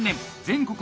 全国